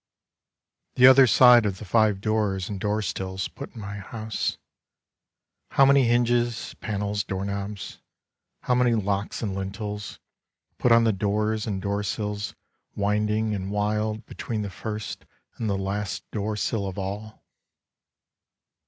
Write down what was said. ... The other side of the five doors and doorsills put in my house — how many hinges, panels, doorknobs, how many locks and lintels, put on the doors and doorsills winding and wild between the first and the last doorsill of all?